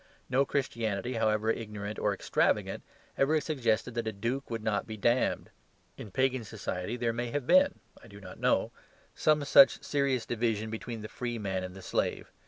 No Christianity, however ignorant or extravagant, ever suggested that a duke would not be damned. In pagan society there may have been (I do not know) some such serious division between the free man and the slave.